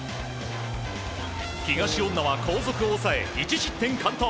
東恩納は後続を抑え１失点完投。